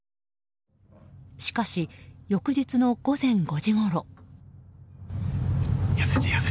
しかし、翌日の午前５時ごろ。